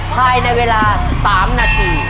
ภายในเวลา๓นาที